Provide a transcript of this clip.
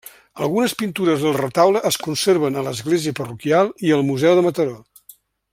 Algunes pintures del retaule es conserven a l'església parroquial i al Museu de Mataró.